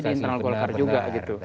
di internal golkar juga